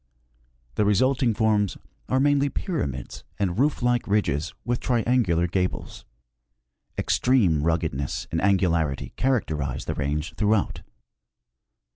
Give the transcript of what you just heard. The resulting forms are mainly jDyramids and roof like ridges with triangular gables. Extreme ruggedness and angularity characterize the range throughout.